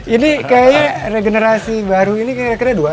ini kayaknya regenerasi baru ini kira kira dua